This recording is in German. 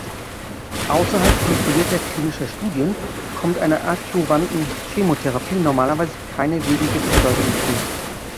Außerhalb kontrollierter klinischer Studien kommt einer adjuvanten Chemotherapie normalerweise keine wesentliche Bedeutung zu.